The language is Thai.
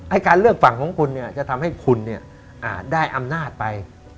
ให้การเลือกฝั่งของคุณจะทำให้คุณได้อำนาจไป